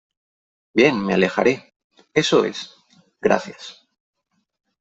Bien , me alejaré . Eso es . gracias .